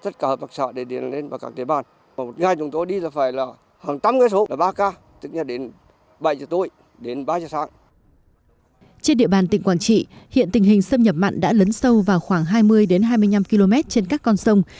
trên địa bàn tỉnh quảng trị hiện tình hình xâm nhập mặn đã lấn sâu vào khoảng hai mươi hai mươi năm km trên các con sông